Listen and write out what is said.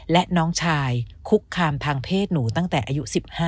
และน้องชายคุกคามทางเพศหนูตั้งแต่อายุ๑๕